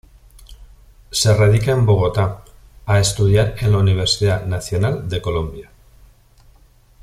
Se radica en Bogotá, a estudiar en la Universidad Nacional de Colombia.